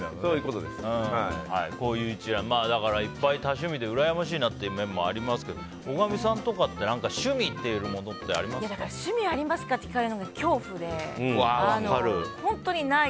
いっぱい多趣味でうらやましいなという面もありますけど大神さんとかって趣味はありますか？って聞かれるのが恐怖で本当にない。